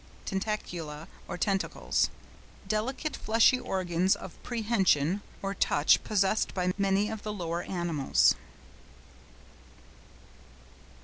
TENTACULA or TENTACLES.—Delicate fleshy organs of prehension or touch possessed by many of the lower animals.